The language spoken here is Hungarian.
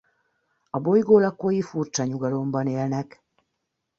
A bolygó lakói furcsa nyugalomban élnek.